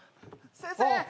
先生！